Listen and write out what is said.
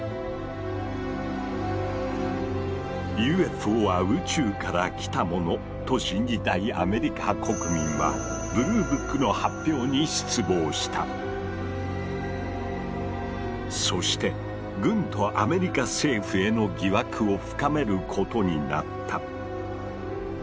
「ＵＦＯは宇宙から来たもの」と信じたいアメリカ国民はそして軍とアメリカ政府への疑惑を深めることになった。